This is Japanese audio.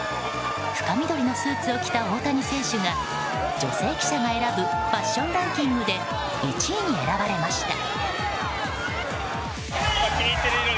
深緑のスーツを着た大谷選手が女性記者が選ぶファッションランキングで１位に選ばれました。